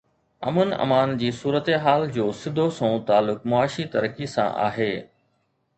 امن امان جي صورتحال جو سڌو سنئون تعلق معاشي ترقي سان آهي